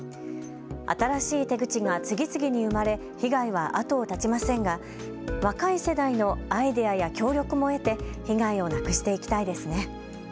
新しい手口が次々に生まれ被害は後を絶ちませんが若い世代のアイデアや協力も得て被害をなくしていきたいですね。